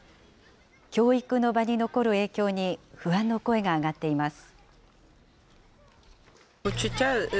教育の場に残る影響に、不安の声が上がっています。